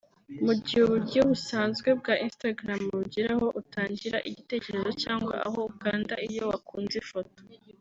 Mu gihe uburyo busanzwe bwa Instagram bugira aho utangira igitekerezo cyangwa aho ukanda iyo wakunze ifoto